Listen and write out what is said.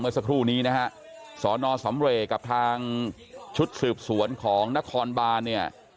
เมื่อสักครู่นี้นะฮะสสำเรกับทางชุดสืบสวนของนครบาเนี้ย